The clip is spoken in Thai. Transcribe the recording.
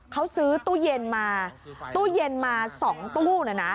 เขาซื้อตู้เย็นมาตู้เย็นมา๒ตู้นะนะ